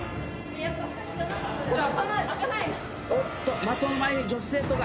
おっと松尾の前に女子生徒が。